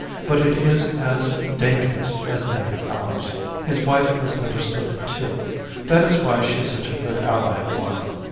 But it is as dangerous as any of ours. "His wife has understood it, too. That is why she is such a good ally of mine.